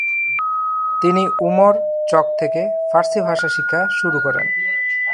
তিনি উমর চক থেকে ফার্সি ভাষা শিক্ষা শুরু করেন।